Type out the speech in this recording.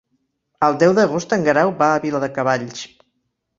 El deu d'agost en Guerau va a Viladecavalls.